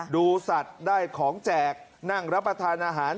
ดูสัตว์ได้ของแจกนั่งรับประทานอาหาร